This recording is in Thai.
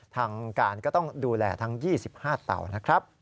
ทางการก็ต้องดูแลทั้ง๒๕เตานะครับ